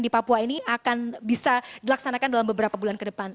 di papua ini akan bisa dilaksanakan dalam beberapa bulan ke depan